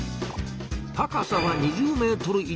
高さは２０ｍ以上！